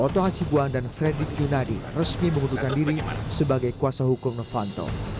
toto hasibuan dan fredrik yunadi resmi mengundurkan diri sebagai kuasa hukum novanto